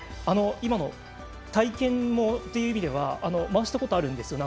今の体験という意味では回したことあるんですよね。